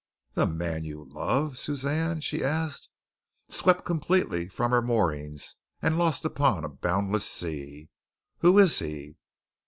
"The man you love, Suzanne?" she asked, swept completely from her moorings, and lost upon a boundless sea. "Who is he?"